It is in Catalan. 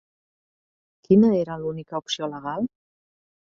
Quina era l'única opció legal?